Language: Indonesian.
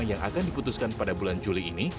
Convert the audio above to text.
yang akan diputuskan pada bulan juli ini